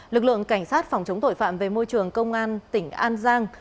lực lượng cảnh sát phòng chống tội phạm về môi trường công an tỉnh an giang